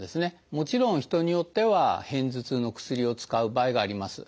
もちろん人によっては片頭痛の薬を使う場合があります。